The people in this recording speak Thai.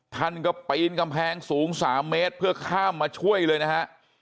ท่านก็ปีนกำแพงสูง๓เมตรเพื่อข้ามมาช่วยเลยนะฮะ